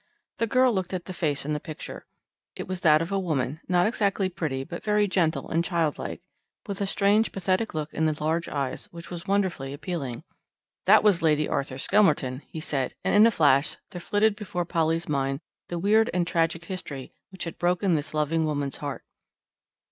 The girl looked at the face on the picture. It was that of a woman, not exactly pretty, but very gentle and childlike, with a strange pathetic look in the large eyes which was wonderfully appealing. "That was Lady Arthur Skelmerton," he said, and in a flash there flitted before Polly's mind the weird and tragic history which had broken this loving woman's heart.